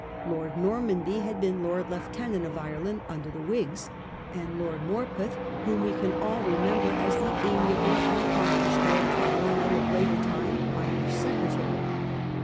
Lord Normanby had been Lord Lieutenant of Ireland under the Whigs, and Lord Morpeth, whom we can all remember as the amiable and accomplished Lord Carlisle of later time, Irish Secretary.